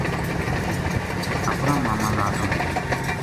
اپنا ماما نال رہوں تھی